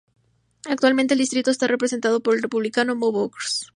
Actualmente el distrito está representado por el Republicano Mo Brooks.